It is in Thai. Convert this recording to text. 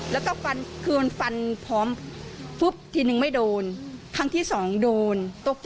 และก็ฟันมันฟันพร้อมฟุบทีนึงไม่โดนครั้งที่๒โดน